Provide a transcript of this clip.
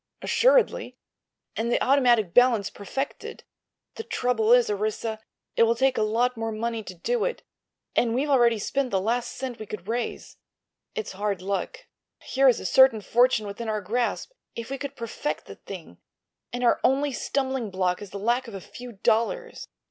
"Assuredly. And the automatic balance perfected. The trouble is, Orissa, it will take a lot more money to do it, and we've already spent the last cent we could raise. It's hard luck. Here is a certain fortune within our grasp, if we could perfect the thing, and our only stumbling block is the lack of a few dollars."